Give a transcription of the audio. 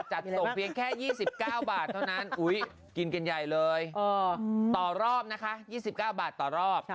จัดส่งเพียงแค่๒๙บาทเท่านั้นกินกันใหญ่เลยต่อรอบนะคะ๒๙บาทต่อรอบ